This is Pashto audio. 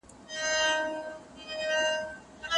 څوک کولای سي د خپلي ميرمني بدن لمس کړي؟